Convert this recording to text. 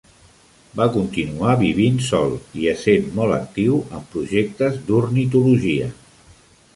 Va continuar vivint sol i essent molt actiu amb projectes d'ornitologia.